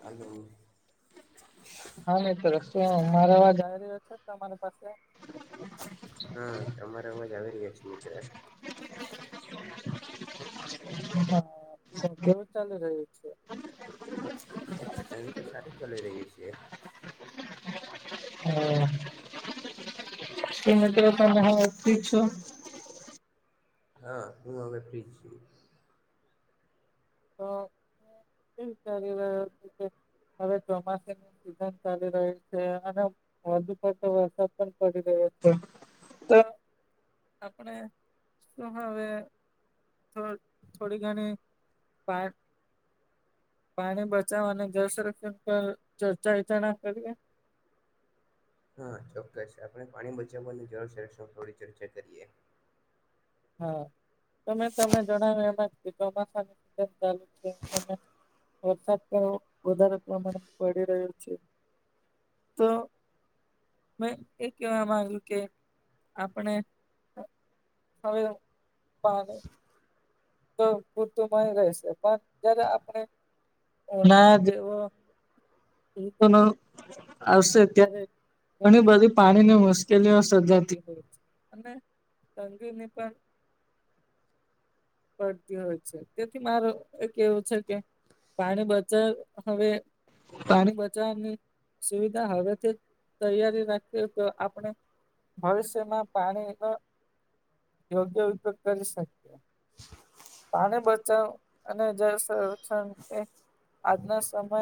Hello હા નહી તો રસ્તો મારા અવાજ આવી રહ્યો છે તમારી પાસે હા તમારો અવાજ આવી રહ્યા છે મિત્ર હ [unintelligible] હા કેવું ચાલી રહ્યું છે એમ તો સારી ચાલી રહી છી હમ સમતે ત હ પ છ [unintelligible] હા હું હવે ફ્રી છુ તો એ ચાલી રહ્યો છે કે હવે ચોમાસાની સિઝન ચાલી રહી છે અને વધુ પડતો વરસાદ પણ પડી રહ્યો છે આપડણે શું હવે થો થોડી ઘણી પા પાણી બચાવ અને જળ સંરક્ષણ પર ચર્ચા વિચારણા કરીએ હા ચોક્કસ આપણે પાણી બચાવવા અને જળ સંરક્ષણ થોડી ચર્ચા કરીએ હા તો મે તમને જણાવ્યું એમાં ચોમાસા ની સીઝન ચાલુ છે વરસાદ પણ વધારે પ્રમાણે પડી રહ્યો છે તો મેં એ કેવા માંગ્યું કે આપણે હવે પા તો પૂરતું મળી રહેશે પણ જ્યારે આપણે એના જેવો [unintelligible] આવશે ત્યારે ઘણી બધી પાણીની મુશ્કેલીઓ સજાતી હોય અનેંગીની પણ પડતી હોય છે તેથી માર એક એવું છે કે પાણી બચાવ હવે પાણી બચાવવાની સુવિધા હવેથી તૈયારી રાખવી તો આપણે ભવિષ્યમાં પાણીનો યોગ્ય ઉપયોગ કરી શકીએ. પાણી બચાવ અને જળ સંરક્ષણ એ આજના સમય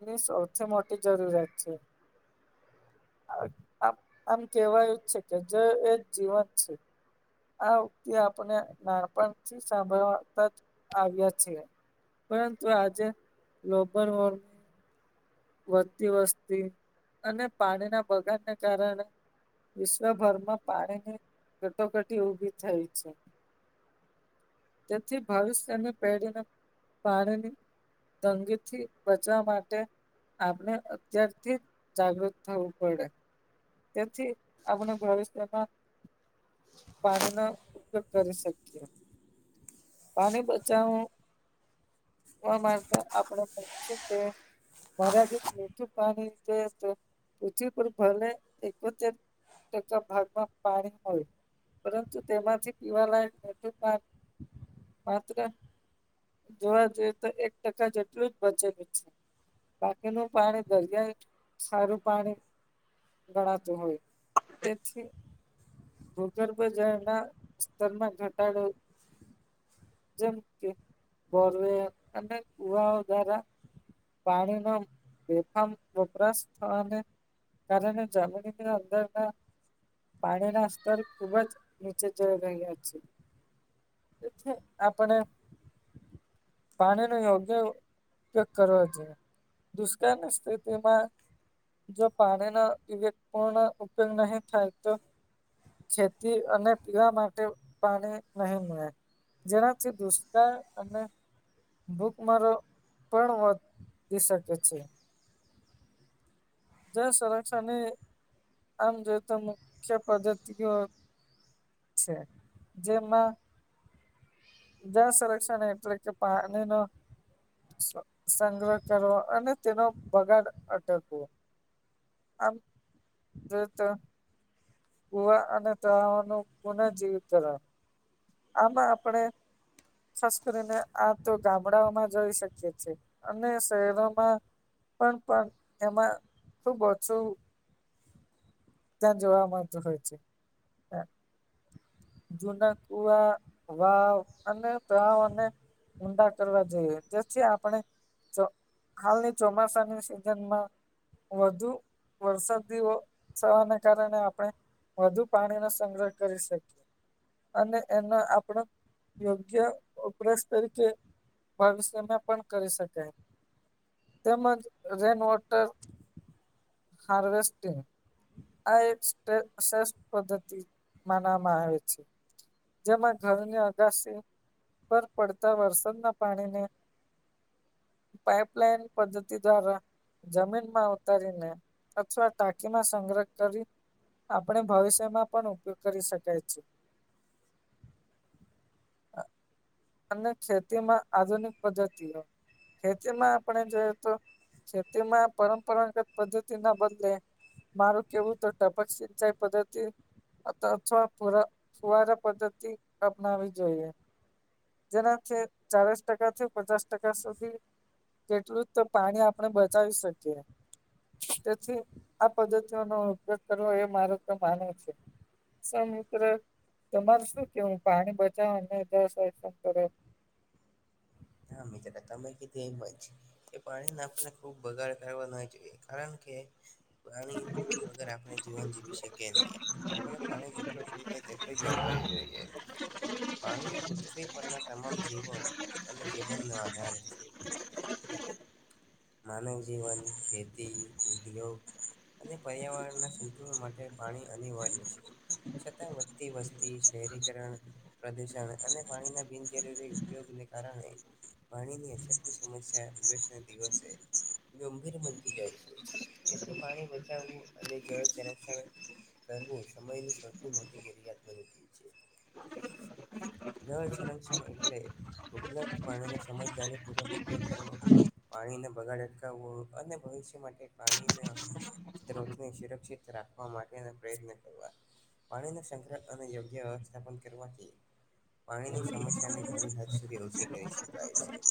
એની સૌથી મોટી જરૂરિયાત છે. આમ આમ કેવાયું છે કે જળ એ જ જીવન છે. આ યુક્તિ આપને નાનપણથી સાંભળતા જ આવ્યા છે. પરંતુ આજે ગ્લોબલ વોર્મિંગ વધતી વસ્તી અને પાણીના બગાડને કારણે વિશ્વભરમાં પાણીની ઘટોકટી ઉભી થઈ છે. તેથી ભવિષ્યને પેઢીને પાણીની તંગી થીબચાવા માટે આપણે અત્યારથી જાગૃત થવું પડે તેથી આપણે ભવિષ્યમાં પાણી નો ઉપયોગ કરી શકીએ. પાણી બચાવવા [unintelligible] માટે આપણે તે મારાત મીઠું પાણી જે છે [unintelligible] ભાગ પાંતુ તેમાંથી પીવાલાયક મિઠૂ પાણી માત્ર જોવા જઈએ તો એક ટકા જેટલું જ બચેલું છે. બાકીનું પાણી દરિયાઈ સારું પાણી ગણાતું હોય તેથી ભૂગર્ભ જળના સ્તરમાં ઘટાડો જેમ કે બોરવે અને કુવાઓ દ્વારા પાણી નો બેફામ વપરાશ થવાને કારણ જમીનની અંદરના પાણીના સ્તર ખુબ જ નીચે જ ઈ રહ્યા છે. એ આપણે પાણી નો યોગ્ય કરો છે દુષ્કાળની સ્થિતિમાં જો પાણીનો વિવેક પૂર્ણ ઉપયોગ નહી થાય તો ખેતી અને પીવા માટે પાણી નહી મળે. જેનાથી દુષકા અને ભૂક મારો પણ વધી શકે છે. જે સંરક્ષાની આમ જો તો મુખ્ય પદ્ધતિ ઓ છે જેમાં જળ સંરક્ષા એટલે કે પાણી નો સા સંગ્રહ કરવો અને તેનો બગાડ અટકવો. આમ જો તો કુવા અને તળાવનું પુનઃજીવિત કરવાણ આમાં આપણે ખાસ કરીને આ તો ગામડાઓમાં જોઈ શકીએ છેએ અને શહેરોમાં પણ પણ એમાં ખુબ ઓછું [unintelligible] જોવા મળતું હોય છે. જૂના કુવા વાવ અને તળાવ અને ઊંડા કરવા જોઈએ જે થી આપણે [unintelligible] હાલની ચોમાસાની સિઝન માં વધુ વરસાદી ઓ થવાને કારણે આપણે વધુ પાણી નો સંગ્રહ કરી શકીએ. અને એનો આપણ યોગ્ય ઉપરાસ તરીકે ભવિષ્યમાં પણ કરી શકે તેમજ રેન વોટર હાર્વેસ્ટિંગ આ એક શ્રેષ્ઠ પદ્ધતિ માનવામાં આવે છે. જેમાં ઘરની અગાસી પર પડતા વરસાદના પાણીને પાઈપ લાઈન પદ્ધતિ દ્વારા જમીનમાં ઉતારીને અથવા ટાકીમાં સંગ્રહ કરી ને આપણે ભવિષ્યમાં પણ ઉપયોગ કરી શકાય છે. અને ખેતીમાં આધુનિક પદ્ધતિઓ ખેતીમાં આપણે જોએ તો ખેતીમાં પરંપરાગત પદ્ધતિ ના બદલે મારું કેવું તો ટપક સિંચાઈ પદ્ધતિ અથવા [unintelligible] ફુવારા પદ્ધતિ અપનાવી જોઈએ. જેનાથી ચાલીસ ટકા થી પચાસ ટકા સુધી તેટલું જ તો પાણી આપણે બચાવી શકીએ. તેથી આ પદ્ધતિઓ નો ઉપયોગ કરવો એ મારુ તો માનવું છે. સા મિત્ર તમાર શું કેવું પાણી બચાવ અને [unintelligible] હા મિત્ર તમે કીધ એ હોય છે. એ પાણીને આપને ખૂબ બગાડ કરવા ના જોઈએ કારણ કે પાણી વગર આપણે જીવન જીવી શકીએ નહી. આપણે પાણી જેટલું પીએ તેટલું જ વાપરવ જોઈએ. પાણી પૃથ્વી પરના તમામ જીવો અને જીવનનો આધાર છે. [inaudible] માનવ જીવન ખેતી ઉદ્યોગ અને પર્યાવરણના સંતુલન માટે પાણી અનિવાર્ય છે. છતા વધતી વસ્તી શહેરીકરણ પ્રદૂષણ અને પાણીના બિનજરૂરી ઉપયોગને કારણે પાણી ની અછત ની સમસ્યા દિવસેને દિવસે ગંભીર બનતી જાય છે તેથી પાણી બચાવવું અને જળ સંરક્ષણ કરવું સમયની સૌથી મોટી જરિયાત બની ગઈ છે. [inaudible] જળ સંરક્ષણ એટલે ઉપલબ્ધ પાણીનો સમજદારી પૂર્વક ઉપયોગ કરવો પાણીને બગાડ અટકાવવો અને ભવિષ્ય માટે પાણીને સ્ત્રોતને સુરક્ષિત રાખવા માટેના પ્રયત્ન કરવા. પાણીના સંગ્રહ અને યોગ્ય સ્થાપન કરવાથી પાણીની સમસ્યા ને ઘણી હદ સુધી ઓછી કરી શકાય છે.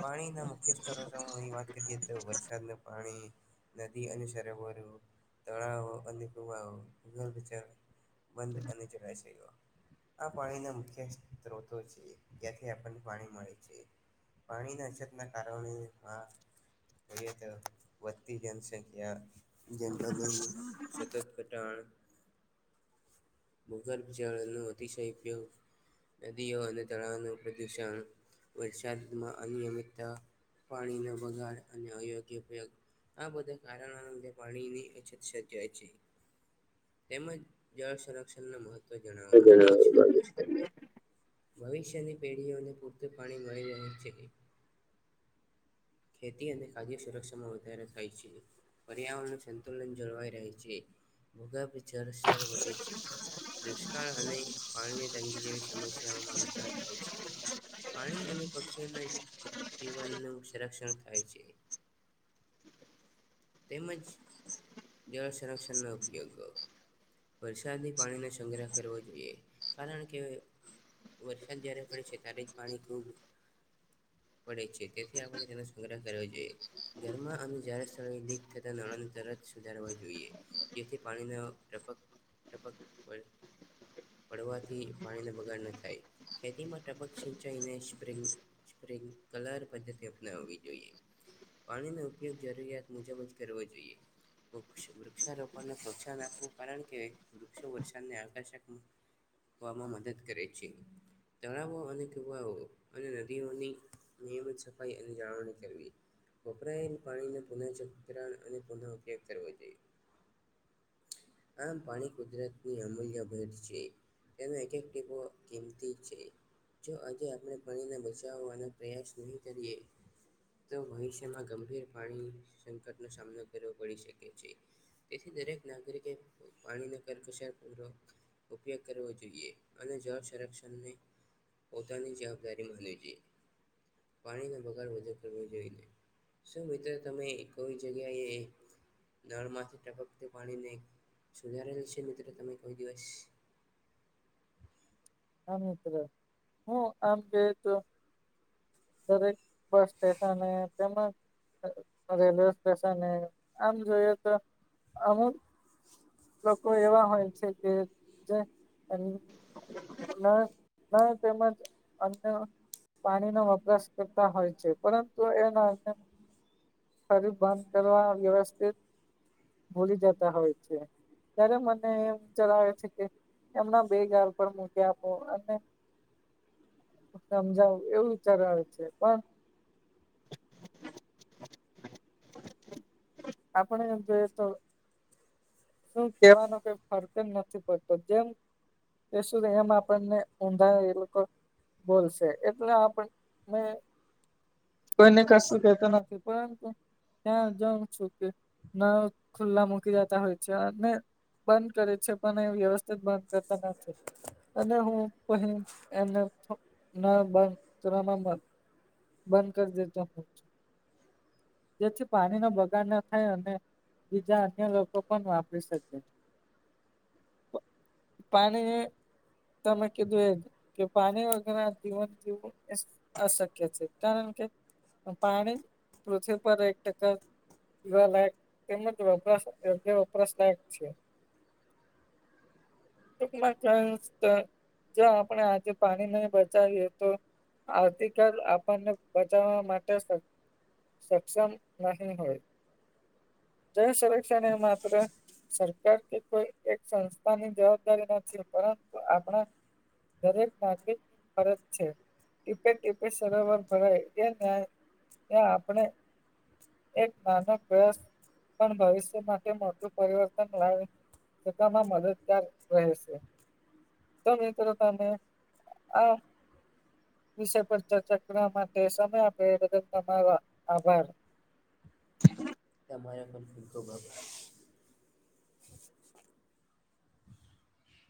પાણીના મુખ્ય સ્તરો ની વાત કરીએ તો વરસાદ નું પાણી, નદી અને સરોવર તળાવો અને કુવાઓ બંધ છે બંધ અને જડાય છે. આ પાણીના મુખ્ય સ્ત્રોતો છે જ્યાંથી આપણને પાણી મળે છે. પાણીની અછતના કારણે આ એ તો વત્તી જનસંખ્યા જંગલ, સતત ઘટણ ભૂગર્ભ જળ નું અતિશય ઉપયોગ નદીઓ અને તળવનું પ્રદુષણ, વરસાદમાં અનિયમિતતા પાણીનો બગાડ અને અયોગ્ય પ્રયોગ આ બધા કારણોન લીધે પાણીની અછત સર્જાય છે. તેમજ જળ સંરક્ષણના મહત્ [unintelligible] ભવિષ્યની પેઢીઓને પૂરતું પાણી મળી રહે છે. ખેતી અને ખાદ્ય સુરક્ષામાં વધારો થાય છે. પર્યાવરણ સંતુલન જળવાઈ રહે છે, ભૂગર્ભ જળસ્તર વધે છે. દુષ્કાળ અને પાણીની તંગી જેવી સમસ્યાઓમાં ઘટાડો થાય છે. પાણી અને પક્ષીઓના જીવનનું સંરક્ષણ થાય છે. તેમજ જળ સંરક્ષણનો ઉપયોગ વરસાદી પાણીનો સંગ્રહ કરવો જોઈએ. કારણ કે વરસાદ જ્યારે પડે છે ત્યારે જ પાણી ખૂબ પડે છે કે આપણે તેનો સંગ્રહ કરવો જોઈએ. ઘરમાં અને જાહેર સ્થળ દીક થતા નણાને તરત સુધારવા જોઈએ. જેથી પાણીમાં ટપક ટપક પર પડવાથી પાણીને બગાડ ન થાય ખેતીમાં ટપક સિંચાઈને સ્પ્રિંગ કલર પદ્ધતિ અપનાવવી જોઈએ. પાણીનો ઉપયોગ જરૂરિયાત મુજબ જ કરવો જોઈએ. વૃક્ષ વૃક્ષારોપણને પ્રોત્સાહન આપવું કારણ કે વૃક્ષો વર્ષાદને આકર્ષક વામાં મદદ કરે છે. તળાવો અને કુવાઓ અને નદીઓની નેમ છ સફાઈ અને જાળવણી કરવી. કોપરાયેલ પાણીનો પુનઃ ચકરાણ અને પુનઃ ઉપયોગ કરવો જોઈએ. આમ પાણી કુદરતની અમૂલ્ય ભેદ છે. એનો એક એક ટીકો કિંમતી છે. જો આજે આપણે ભણીને બચાવવાનો પ્રયાસ નહીં કરીએ તો ભવિષ્યમાં ગંભીર પાણી સંકટનો સામનો કરવો પડી શકે છે. તેથી દરેક નાગરિકે પાણી નો કરકશ પૂર્વક ઉપયોગ કરવો જોઈએ અને જળ સંરક્ષણને પોતાની જવાબદારી લે જોઈ. પાણીનો બગાર વધુ કરવો જોઈએ. શું મિત્રો તમે કોઈ જગ્યાએ નળ માંથી ટપકતુ પાણીને સુધારેલ છે મિત્રો તમે કોઈ દિવસ? હા મિત્ર, હા આમ કે તો દરેક બસ સ્ટેશન એ તેમાં રેલવે સ્ટેશન આમ જોઈએ તો અમુક લોકો એવા હોય છે કે જે ના ના તેમજ અન્ય પાણીનો વપરાશ કરતા હોય છે પરંતુ એના ફરી વાત કરવા વ્યવસ્થિત ભૂલી જતા હોય છે. જ્યારે મને એમ ચલાવે છે કે એમના બે ગાર પર હું આપો અને સમજાવું એવું ચરણ છે પણ આપણે એમ જોઈએ તો શું કેવાનો કઈ ફરક એમ નથી પડતો જેમ સુધી એમ આપણને ઊંધા એ લોકો બોલશે એટલે આપણે કોઈને કશું કેતો નથી પણ ત્યાં જઉ છું કે નળ ખુલ્લા મૂકીને ત્યાં અને બંધ કરે છે પણ એ વ્યવસ્થિત બંધ કરતા નથી. અને હું [unintelligible] બંધ કરી દેતા. જેથી પાણી ન બગાડ ના થાય અને બીજા અન્ય લોકો પણ વાપરી શકે પાણી એ તમે કીધું એ કે પાણી વગરના જીવન જીવવું અશક્ય છે. કારણ કે, પાણી પૃથ્વી પર એક ટકા પીવા લાયક તેમજ વપરાશ વપરાશ લાયક છે. ટૂંકમાં કહે અનુસાર જો આપણે આજે પાણી નઈ બચાવીએ તો આવતીકાલ આપણને બચાવા માટે સક્ષમ નહી હોય જળસરક્ષએ મા સરકાર કે કોઈ એક સંસ્થાની જવાબદારી નથી. પરંતુ આપણા દરેક નાગરિકની ફરજ છે. ટીપે ટીપે સરોવર ભરાય એ ન્યાય તે આપણે એક નાનો પ્રયાસ પણ ભવિષ્ય માટે, મોટું પરિવર્તન લાવવામાં મદદ રહે છે. તો મિત્રો તમે આ વિષય પર ચર્ચા કરવા માટે સમય આપે એ બદલ તમારો આભાર. તમારા પણ ખૂબ ખૂબ આભાર.